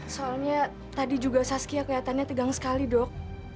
soalnya tadi juga saskia kelihatannya tegang sekali dok